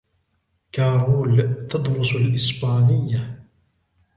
كارول تدرس الإسبانية.